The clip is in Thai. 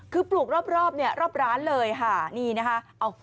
คือปลูกรอบเนี่ยรอบร้านเลยค่ะนี่นะคะ